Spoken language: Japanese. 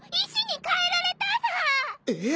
えっ！？